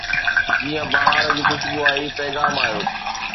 جيئن بهار جي خوشبو آئي، پيغام آيو